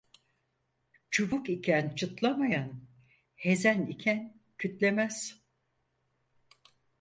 Çubuk iken çıtlamayan, hezen iken kütlemez.